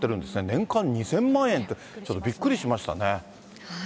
年間２０００万円って、ちょっとびっくりしましたね。